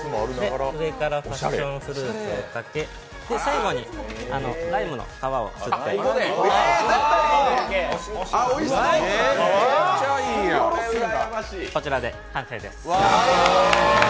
上からパッションフルーツをかけ最後にライムの皮をかけて、こちらで完成です。